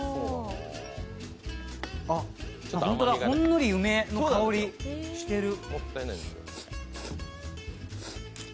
あっ、ほんのり梅の香りしてる。